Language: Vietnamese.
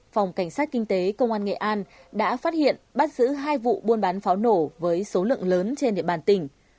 phòng cảnh sát kinh tế công an nghệ an đã phát hiện bắt giữ hai vụ buôn bán pháo nổ với số lượng lớn trên địa bàn tỉnh